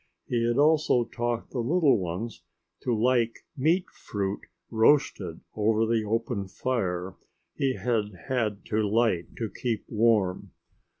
He had also taught the little ones to like meat fruit roasted over the open fire he had had to light to keep warm.